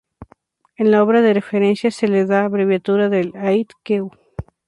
En la obra de referencias, se le da la abreviatura de "Ait.Kew.